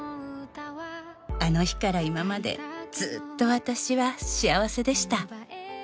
「あの日から今までずっと私は幸せでした」